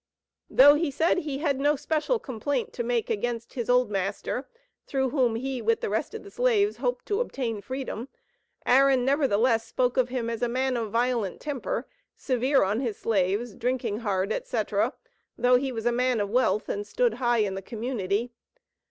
Though he said he had no special complaint to make against his old master, through whom he, with the rest of the slaves, hoped to obtain freedom, Aaron, nevertheless, spoke of him as a man of violent temper, severe on his slaves, drinking hard, etc., though he was a man of wealth and stood high in the community.